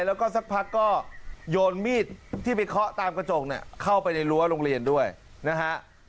แล้วก็สักพักก็โยนมีดที่ไปเคาะตามกระจกเนี่ยเข้าไปในรั้วโรงเรียนด้วยนะฮะ